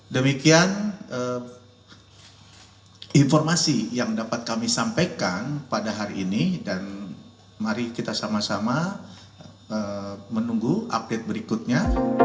demikian informasi yang dapat kami sampaikan pada hari ini dan mari kita sama sama menunggu update berikutnya